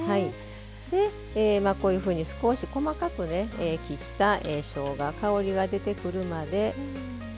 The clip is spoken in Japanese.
でこういうふうに少し細かく切ったしょうが香りが出てくるまで。